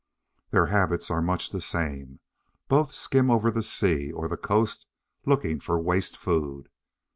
Their habits are much the same. Both skim over the sea, or the coast, looking for waste food.